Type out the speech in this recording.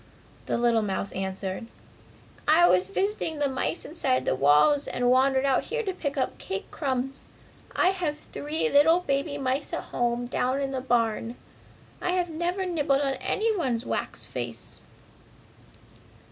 the little mouse answered. "I was visiting the mice inside the walls and wandered out here to pick up cake crumbs! I have three little baby mice at home down in the barn. I have never nibbled at anyone's wax face!"